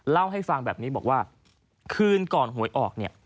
เล่าให้ฟังแบบนี้บอกว่าคืนก่อนหวยออกเนี่ย